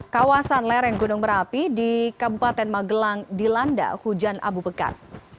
kawasan lereng gunung merapi di kabupaten magelang dilanda hujan abu pekan